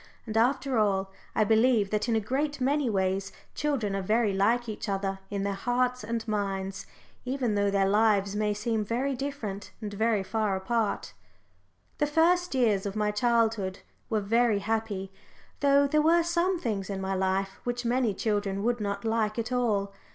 And after all, I believe that in a great many ways children are very like each other in their hearts and minds, even though their lives may seem very different and very far apart. The first years of my childhood were very happy, though there were some things in my life which many children would not like at all.